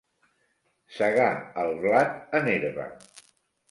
Segà el blat en herba.